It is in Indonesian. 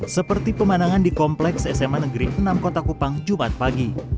seperti pemandangan di kompleks sma negeri enam kota kupang jumat pagi